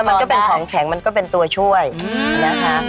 มันก็เป็นของแข็งมันก็เป็นตัวช่วยนะคะ